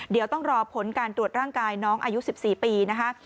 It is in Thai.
เดี๋ยวต้องรอผลการตรวจร่างกายน้องอายุ๑๔ปีนะคะ